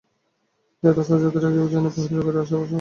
সে রাস্তায় যাত্রীরা কেউ যায় না, পাহাড়ী লোকেরাই যাওয়া-আসা করে।